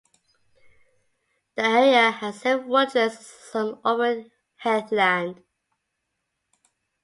The area has several woodlands and some open heathland.